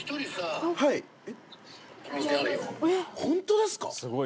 ホントですか？